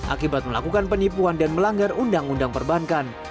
akibat melakukan penipuan dan melanggar undang undang perbankan